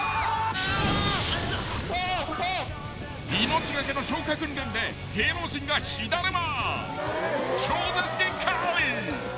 ［命懸けの消火訓練で芸能人が火だるま］